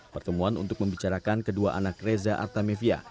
pertemuan untuk membicarakan kedua anak reza artamevia